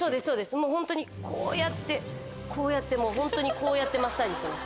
もうホントにこうやってこうやってもうホントにこうやってマッサージしてます。